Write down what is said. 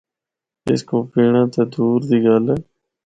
اس کو پینڑا تے دور دی گل اے۔